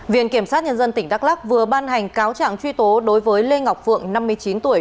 viện kiểm sát nhân dân tỉnh đắk lắc vừa ban hành cáo trạng truy tố đối với lê ngọc phượng năm mươi chín tuổi